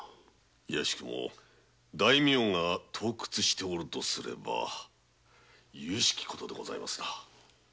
いやしくも大名が盗掘しているとすればゆゆしい事でございます。